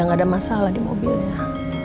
nggak ada masalah di mobilnya